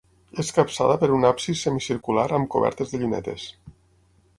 És capçada per un absis semicircular amb cobertes de llunetes.